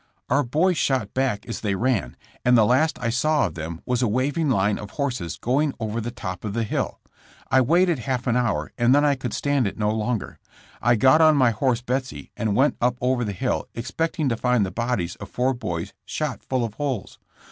Our boys shot back as they ran, and the last I saw of them was a waving line of horses going over the top of the hill. I waited half an hour and then I could stand it no longer. I got on my horse Betsy, and went up over the hill expecting to find the bodies of four boys shot full of holes.